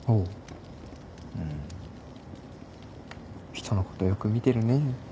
ひとのことよく見てるねぇ。